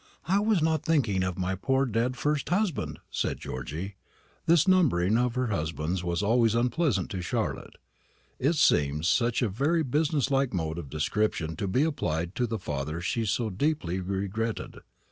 "I was not thinking of my poor dear first husband," said Georgy. This numbering of her husbands was always unpleasant to Charlotte. It seemed such a very business like mode of description to be applied to the father she so deeply regretted.